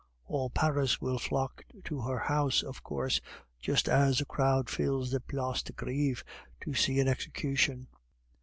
All Paris will flock to her house, of course, just as a crowd fills the Place de Greve to see an execution.